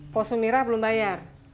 pak sumirah belum bayar